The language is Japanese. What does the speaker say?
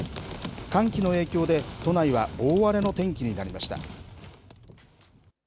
寒気の影響で、都内は大荒れの天気になりました。